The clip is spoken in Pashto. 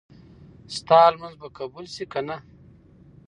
ستا لمونځ به قبول شي که نه؟